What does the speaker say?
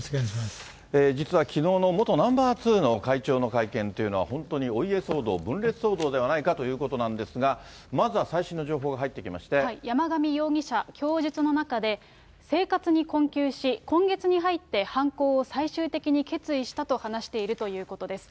実はきのうのナンバー２の会長の会見というのは、本当にお家騒動、分裂騒動ではないかということなんですが、山上容疑者、供述の中で、生活に困窮し、今月に入って犯行を最終的に決意したと話しているということです。